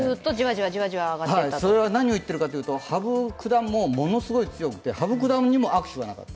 それは何を言っているかというと羽生九段もものすごい強くて羽生九段にも悪手がなかった。